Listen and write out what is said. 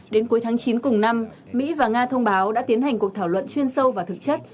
đến cuối tháng chín cùng năm mỹ và nga thông báo đã tiến hành cuộc thảo luận chuyên sâu và thực chất